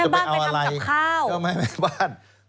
แม่บ้านไม่ทำกับข้าว